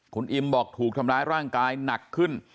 คุณอิมบอกถูกทำร้ายร่างกายหนักขึ้น